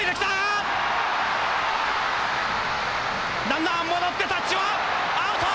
ランナー戻ってタッチはアウト！